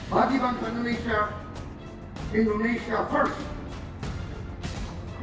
bagi bangsa indonesia indonesia first